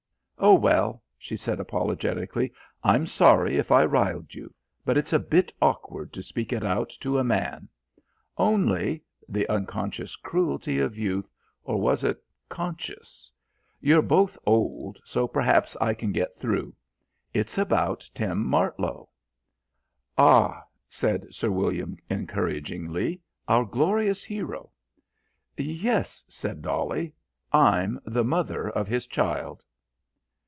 "Oh, well," she said apologetically, "I'm sorry if I riled you, but it's a bit awkward to speak it out to a man. Only" (the unconscious cruelty of youth or was it conscious?) "you're both old, so perhaps I can get through. It's about Tim Martlow." "Ah," said Sir William encouragingly, "our glorious hero." "Yes," said Dolly. "I'm the mother of his child."